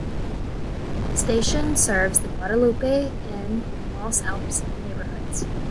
The station serves the Guadalupe Inn and Los Alpes neighborhoods.